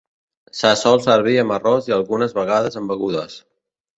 Se sol servir amb arròs i algunes vegades amb begudes.